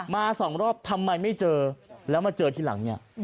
สองรอบทำไมไม่เจอแล้วมาเจอทีหลังเนี่ย